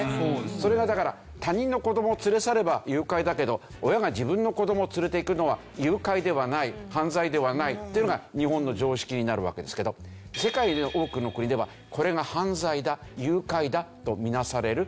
それがだから他人の子どもを連れ去れば誘拐だけど親が自分の子どもを連れていくのは誘拐ではない犯罪ではないというのが日本の常識になるわけですけど世界の多くの国ではこれが犯罪だ誘拐だとみなされるという。